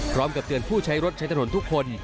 พร้อมกับเตือนผู้ใช้รถใช้ถนนทุกคน